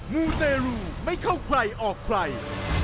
มูเตรูไม่เข้าใครออกใคร